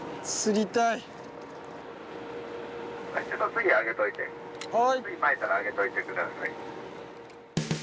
次上げといて次巻いたら上げといて下さい。